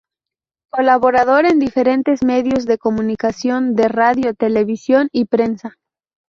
Colaborador en diferentes medios de comunicación de radio, televisión y prensa.